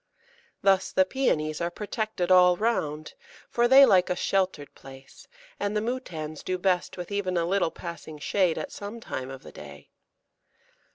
Thus the Pæonies are protected all round, for they like a sheltered place, and the Moutans do best with even a little passing shade at some time of the day.